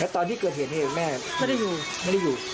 แล้วตอนที่เกิดเหตุแห่งแม่ไม่ได้อยู่